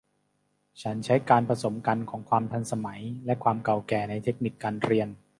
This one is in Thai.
ฉันใช้การผสมกันของความทันสมัยและความเก่าแก่ในเทคนิคการเรียน